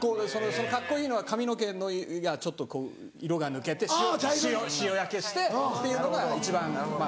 カッコいいのは髪の毛がちょっとこう色が抜けて潮焼けしてっていうのが一番まぁ。